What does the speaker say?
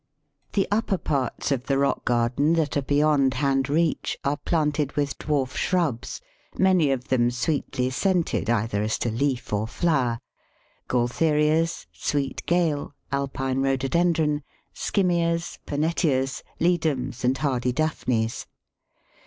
The upper parts of the rock garden that are beyond hand reach are planted with dwarf shrubs, many of them sweetly scented either as to leaf or flower Gaultherias, Sweet Gale, Alpine Rhododendron, Skimmias, Pernettyas, Ledums, and hardy Daphnes.